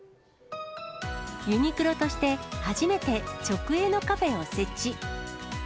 ユニクロとして初めて直営のカフェを設置。